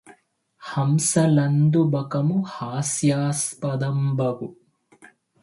హంసలందు బకము హాస్యాస్పదంబగు